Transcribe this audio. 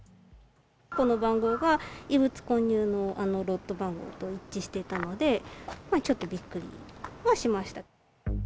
この番号が、異物混入のロット番号と一致していたので、ちょっとびっくりはしました。